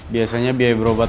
biasanya biaya berobat